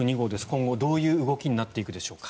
今後、どういう動きになっていくでしょうか。